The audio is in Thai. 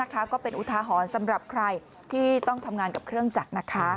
ก็เป็นอุทาหรณ์สำหรับใครที่ต้องทำงานกับเครื่องจักรนะคะ